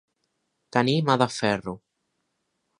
Tenir mà de ferro.